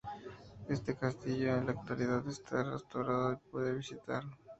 Este castillo en la actualidad está restaurado y se puede visitar.